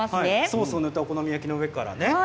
ソースを塗ったお好み焼きの上から。